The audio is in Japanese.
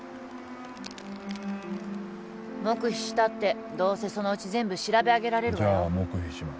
黙秘したってどうせそのうち全部調べ上げられるじゃあ黙秘します